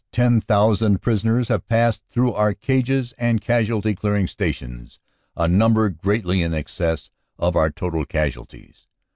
Ten thousand prisoners have passed through our cages and Casualty Clearing Stations, a number greatly in excess of our total casualties.